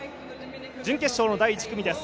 準決勝の第１組です。